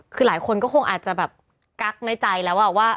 คือหลายคนก็คงอาจจะแบบกักในใจแล้วว่า